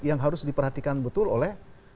yang harus diperhatikan betul oleh